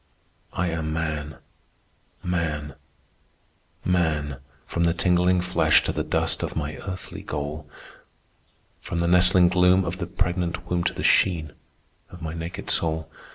I am Man, Man, Man, from the tingling flesh To the dust of my earthly goal, From the nestling gloom of the pregnant womb To the sheen of my naked soul.